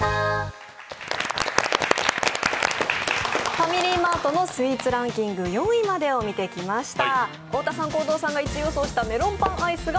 ファミリーマートのスイーツランキング４位までを見てきました。